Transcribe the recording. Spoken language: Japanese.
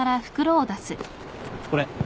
これ。